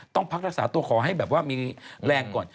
ต้องพักรักษาตัวขอให้แบบว่ามีแรงก่อน